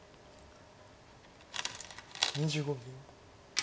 ２５秒。